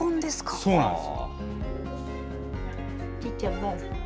そうなんです。